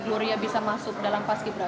gloria bisa masuk dalam paski beraka